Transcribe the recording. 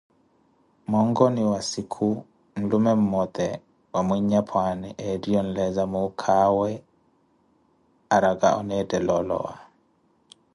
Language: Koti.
Monkoni wa sikhu, nlume mmote wa mwinyapwaani ettiye onleeza muuka awe araka onettala olawa.